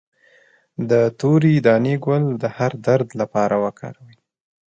د تورې دانې ګل د هر درد لپاره وکاروئ